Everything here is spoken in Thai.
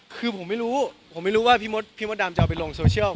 คือผมไม่รู้ว่าพี่มดดามจะเอาไปลงโซเชียล